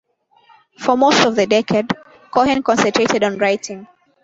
For most of the decade, Cohen concentrated on writing.